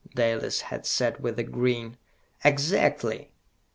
Dalis had said with a grin. "Exactly!